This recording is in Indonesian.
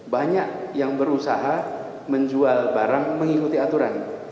banyak yang berusaha menjual barang mengikuti aturan